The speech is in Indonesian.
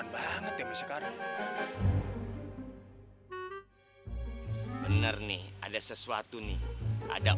bener nih ada sesuatu nih ada